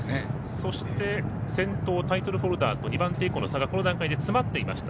そして先頭タイトルホルダーと２番手以降の差が詰まっていました。